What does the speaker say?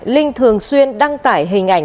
linh thường xuyên đăng tải hình ảnh